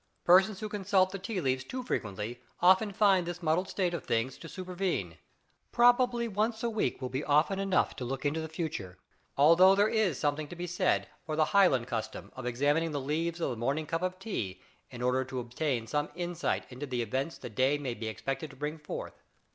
Persons who consult the tea leaves too frequently often find this muddled state of things to supervene. Probably once a week will be often enough to look into the future, although there is something to be said for the Highland custom of examining the leaves of the morning cup of tea in order to obtain some insight into the events the day may be expected to bring forth.